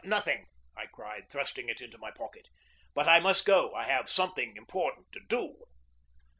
"Nothing," I cried, thrusting it into my pocket. "But I must go. I have something important to do."